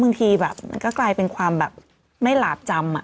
บางทีแบบมันก็กลายเป็นความแบบไม่หลาบจำ